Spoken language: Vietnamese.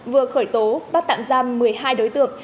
vừa khởi tố bắt tạm giam một mươi hai đối tượng